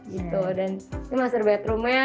gitu dan ini master bedroomnya